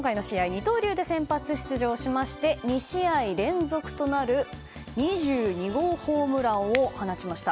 二刀流で先発出場しまして２試合連続となる２２号ホームランを放ちました。